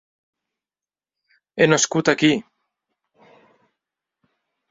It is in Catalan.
He nascut aquí!